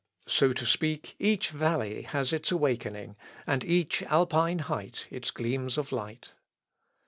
So to speak, each valley has its awakening, and each Alpine height its gleams of light.